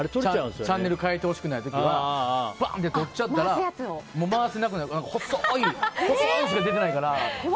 チャンネル変えてほしくない時はバンってとっちゃったら回せなくなるから細いのしか出てないから。